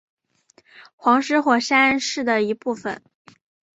黄石火山是的一部分。